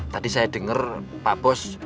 tadi saya dengar pak pos